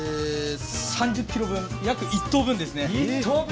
３０ｋｇ分、約１頭分ですね。